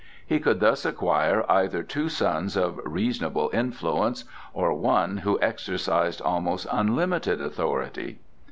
He could thus acquire either two sons of reasonable influence, or one who exercised almost unlimited authority.